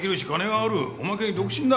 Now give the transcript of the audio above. おまけに独身だ。